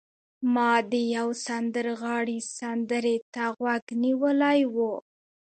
ما د یو سندرغاړي سندرې ته غوږ نیولی و